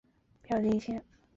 标津线。